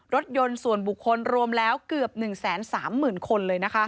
รถยนต์ส่วนบุคคลรวมแล้วเกือบ๑๓๐๐๐คนเลย